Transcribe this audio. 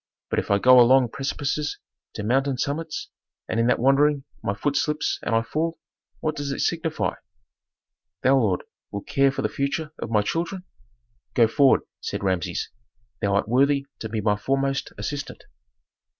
"But if I go along precipices to mountain summits, and in that wandering my foot slips and I fall, what does it signify? Thou, lord, wilt care for the future of my children?" "Go forward," said Rameses. "Thou art worthy to be my foremost assistant."